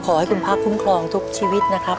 ขอให้คุณพระคุ้มครองทุกชีวิตนะครับ